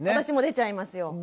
私も出ちゃいますよ。